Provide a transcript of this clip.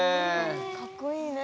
かっこいいね！